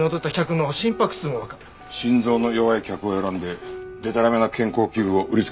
心臓の弱い客を選んででたらめな健康器具を売りつけたのか。